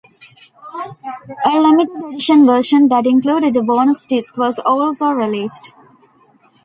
A limited edition version that included a bonus disc was also released.